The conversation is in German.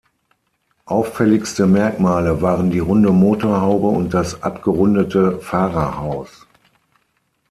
Auffälligste Merkmale waren die runde Motorhaube und das abgerundete Fahrerhaus.